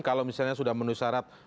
kalau misalnya sudah menu syarat